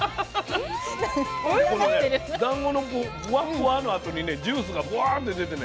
このねだんごのフワッフワのあとにねジュースがブワッて出てね